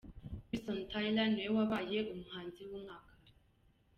Bryson Tiller niwe wabaye umuhanzi w'umwaka.